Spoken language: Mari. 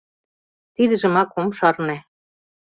— Тидыжымак ом шарне...